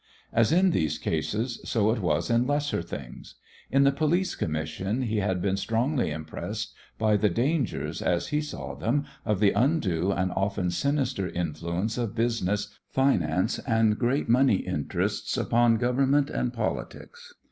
As in these cases, so it was in lesser things. In the police commission he had been strongly impressed by the dangers as he saw them of the undue and often sinister influence of business, finance, and great money interests upon government and politics.